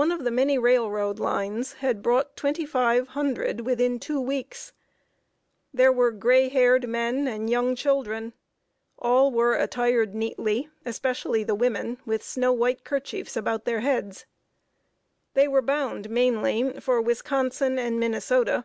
One of the many railroad lines had brought twenty five hundred within two weeks. There were gray haired men and young children. All were attired neatly, especially the women, with snow white kerchiefs about their heads. They were bound, mainly, for Wisconsin and Minnesota.